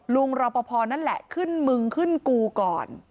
รอปภนั่นแหละขึ้นมึงขึ้นกูก่อน